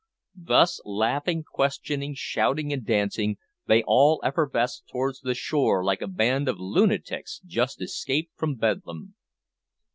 Thus laughing, questioning, shouting, and dancing, they all effervesced towards the shore like a band of lunatics just escaped from Bedlam!